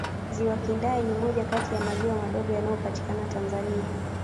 ziwa kindai ni moja Kati ya maziwa madogo yanayopatikana tanzania